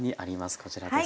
こちらです。